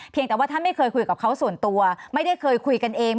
แต่ว่าท่านไม่เคยคุยกับเขาส่วนตัวไม่ได้เคยคุยกันเอง